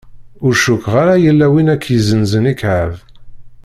Ur cukkeɣ ara yella win ara k-yezzenzen ikɛeb.